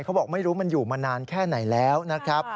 เขาบอกไม่รู้มันอยู่มานานแค่ไหนแล้วนะครับ